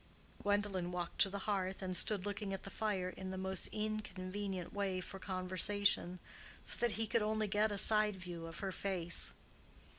Gwendolen walked to the hearth and stood looking at the fire in the most inconvenient way for conversation, so that he could only get a side view of her face.